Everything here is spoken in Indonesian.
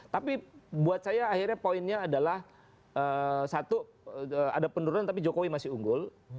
tapi buat saya akhirnya poinnya adalah satu ada penurunan tapi jokowi masih unggul